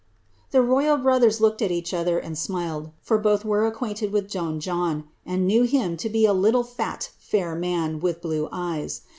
'' The royil L brothers looked at eacli other, and smiled, for both were acquainted with [ don John, and knew him to be a little, fat, fair man, with blue eyes.'